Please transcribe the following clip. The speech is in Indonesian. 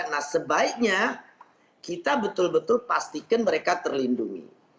nah sebaiknya kita betul betul pastikan mereka terlindungi